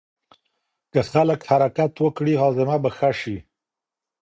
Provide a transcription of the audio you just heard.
که خلک حرکت وکړي هاضمه به ښه شي.